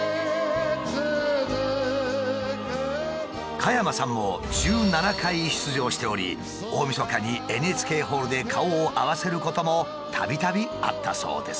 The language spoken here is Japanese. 加山さんも１７回出場しており大みそかにＮＨＫホールで顔を合わせることもたびたびあったそうです。